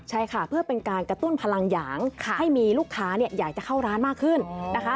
ใช่ค่ะเพื่อเป็นการกระตุ้นพลังหยางให้มีลูกค้าอยากจะเข้าร้านมากขึ้นนะคะ